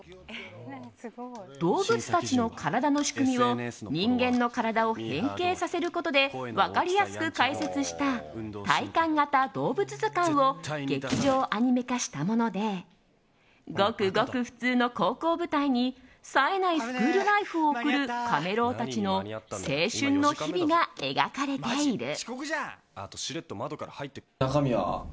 動物たちの体の仕組みを人間の体を変形させることで分かりやすく解説した体感型動物図鑑を劇場アニメ化したものでごくごく普通の高校を舞台にさえないスクールライフを送るカメ郎たちの青春の日々が描かれている。